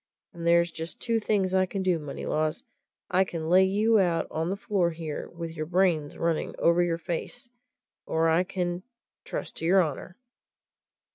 And there's just two things I can do, Moneylaws I can lay you out on the floor here, with your brains running over your face, or I can trust to your honour!"